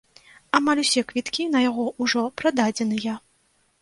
Амаль усе квіткі на яго ўжо прададзеныя.